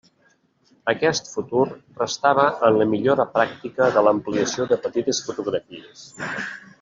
Aquest futur restava en la millora pràctica de l'ampliació de petites fotografies.